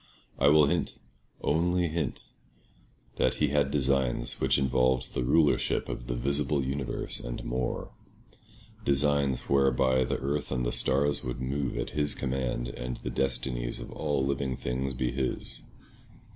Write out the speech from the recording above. I will hint—only hint—that he had designs which involved the rulership of the visible universe and more; designs whereby the earth and the stars would move at his command, and the destinies of all living things be his.